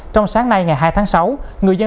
trong sáng nay ngày hai tháng sáu người dân